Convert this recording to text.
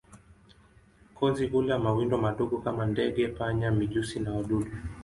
Kozi hula mawindo madogo kama ndege, panya, mijusi na wadudu.